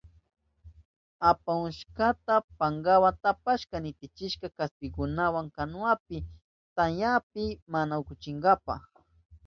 Apahushkanta pankawa tapashpan nitichishka kaspikunawa kanuwanpi, tamyaka mana ukuchinanpa.